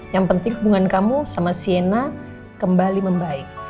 yang penting hubungan kamu sama siena kembali membaik